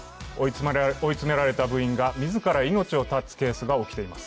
追い詰められた部員が自ら命を絶つケースが起きています。